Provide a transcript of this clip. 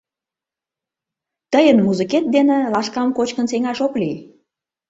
Тыйын музыкет дене лашкам кочкын сеҥаш ок лий.